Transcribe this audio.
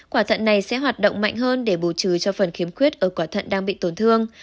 quả thận này sẽ hoạt động mạnh hơn để bù trừ cho phần khiếm khuyết ở quả thận đang bị tổn thương